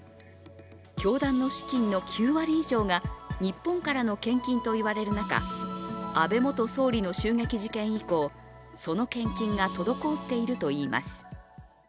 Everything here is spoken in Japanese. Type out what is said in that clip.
教団の資金の９割以上が日本からの献金といわれる中、安倍元総理の襲撃事件以降、その献金が滞っているといいます。